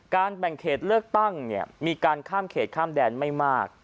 แบ่งเขตเลือกตั้งเนี่ยมีการข้ามเขตข้ามแดนไม่มาก